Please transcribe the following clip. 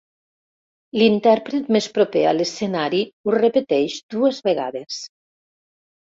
L'intèrpret més proper a l'escenari ho repeteix dues vegades.